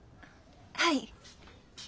はい。